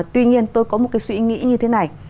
tuy nhiên tôi có một cái suy nghĩ như thế này